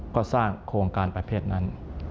ก็สร้างโครงการประเภทนั้น